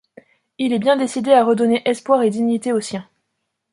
Il est bien décidé à redonner espoir et dignité aux siens.